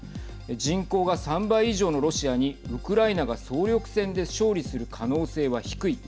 人口が３倍以上のロシアにウクライナが総力戦で勝利する可能性は低い。